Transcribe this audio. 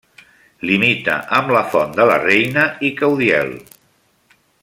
Limita amb La Font de la Reina i Caudiel.